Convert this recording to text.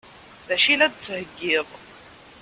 D acu i la d-tettheggiḍ?